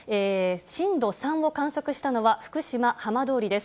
震度３を観測したのは福島・浜通りです。